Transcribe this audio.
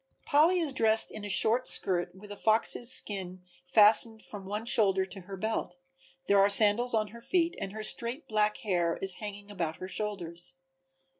Polly is dressed in a short skirt with a fox's skin fastened from one shoulder to her belt, there are sandals on her feet and her straight black hair is hanging about her shoulders.